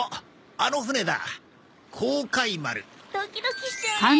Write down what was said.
ドキドキしちゃうね！